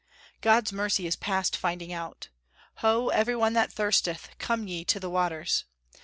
God's mercy is past finding out. "Ho, every one that thirsteth, come ye to the waters!"